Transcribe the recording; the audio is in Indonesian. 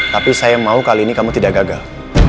tapi saya mau kali ini kamu tidak gagal